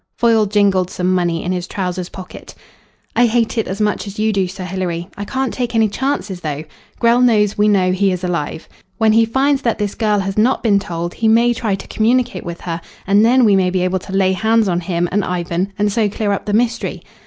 Foyle jingled some money in his trousers pocket. "I hate it as much as you do, Sir Hilary. I can't take any chances, though. Grell knows we know he is alive. When he finds that this girl has not been told he may try to communicate with her, and then we may be able to lay hands on him and Ivan, and so clear up the mystery.